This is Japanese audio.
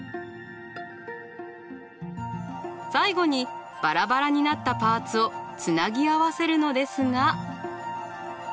最後にバラバラになったパーツをつなぎ合わせるのですが。